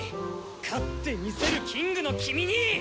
勝ってみせるキングの君に！